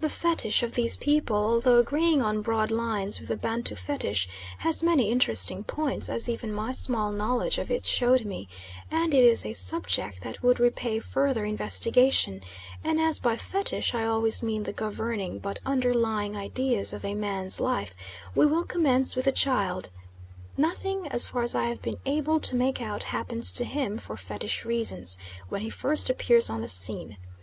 The Fetish of these people, although agreeing on broad lines with the Bantu Fetish, has many interesting points, as even my small knowledge of it showed me, and it is a subject that would repay further investigation; and as by fetish I always mean the governing but underlying ideas of a man's life, we will commence with the child. Nothing, as far as I have been able to make out, happens to him, for fetish reasons, when he first appears on the scene.